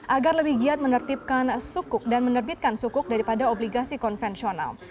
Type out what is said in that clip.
agar lebih giat menertibkan sukuk dan menerbitkan sukuk daripada obligasi konvensional